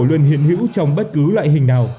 luôn hiện hữu trong bất cứ loại hình nào